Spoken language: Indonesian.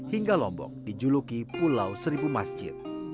hingga lombok dijuluki pulau seribu masjid